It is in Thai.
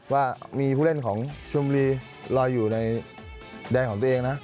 ว่ามีผู้เล่นของชมบุรีลอยอยู่ในแดงของตัวเองนะ